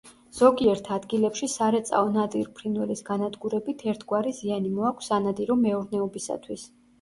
ზოგიერთ ადგილებში სარეწაო ნადირ-ფრინველის განადგურებით ერთგვარი ზიანი მოაქვს სანადირო მეურნეობისათვის.